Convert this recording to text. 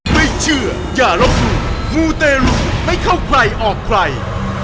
ไม่เชื่ออย่าลบหลู่มูเตรุไม่เข้าใครออกใคร